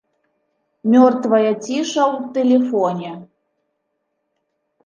Мёртвая ціша ў тэлефоне.